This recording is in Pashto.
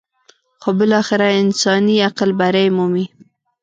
خو بالاخره انساني عقل برۍ مومي.